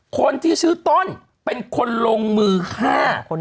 คนที่ชื่อต้นเป็นคนลงมือฆ่า